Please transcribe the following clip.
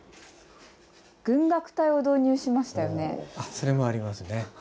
それもありますね。